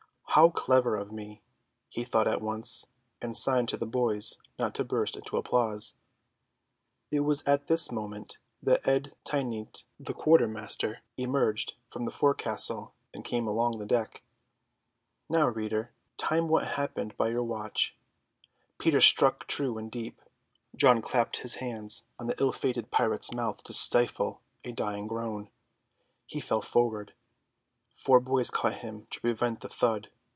"How clever of me!" he thought at once, and signed to the boys not to burst into applause. It was at this moment that Ed Teynte the quartermaster emerged from the forecastle and came along the deck. Now, reader, time what happened by your watch. Peter struck true and deep. John clapped his hands on the ill fated pirate's mouth to stifle the dying groan. He fell forward. Four boys caught him to prevent the thud.